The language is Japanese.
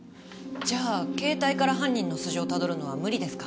じゃあ携帯から犯人の素性をたどるのは無理ですか。